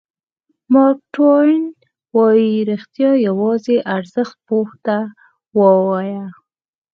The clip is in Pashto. مارک ټواین وایي رښتیا یوازې ارزښت پوه ته ووایه.